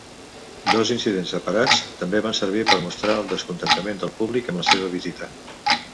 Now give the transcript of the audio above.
Dos incidents separats també van servir per mostrar el descontent del públic amb la seva visita.